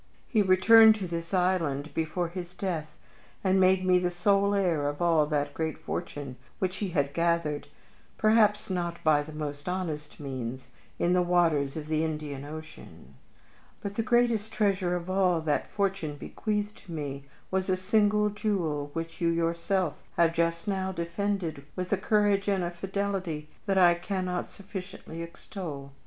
He returned to this island before his death, and made me the sole heir of all that great fortune which he had gathered perhaps not by the most honest means in the waters of the Indian Ocean. But the greatest treasure of all that fortune bequeathed to me was a single jewel which you yourself have just now defended with a courage and a fidelity that I cannot sufficiently extol.